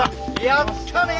やったね！